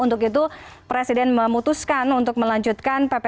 untuk itu presiden memutuskan untuk melanjutkan ppkm level empat